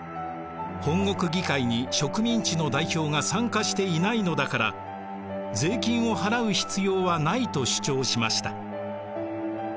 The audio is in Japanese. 本国議会に植民地の代表が参加していないのだから税金を払う必要はないと主張しました。